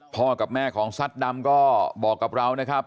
กับแม่ของซัดดำก็บอกกับเรานะครับ